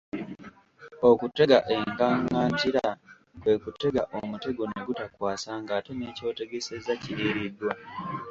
Okutega enkangantira kwe kutega omutego ne gutakwasa ng'ate ne ky'otegesezza kiriiriddwa.